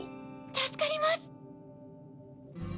助かります。